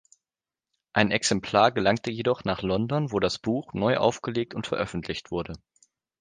Ein Exemplar gelangte jedoch nach London, wo das Buch neu aufgelegt und veröffentlicht wurde.